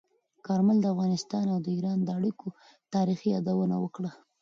کارمل د افغانستان او ایران د اړیکو تاریخي یادونه وکړه.